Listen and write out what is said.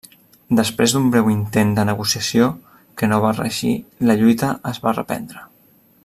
Després d'un breu intent de negociació, que no va reeixir, la lluita es va reprendre.